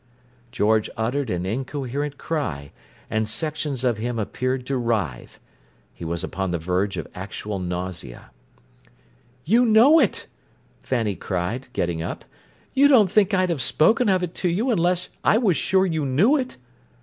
George uttered an incoherent cry; and sections of him appeared to writhe. He was upon the verge of actual nausea. "You know it!" Fanny cried, getting up. "You don't think I'd have spoken of it to you unless I was sure you knew it?"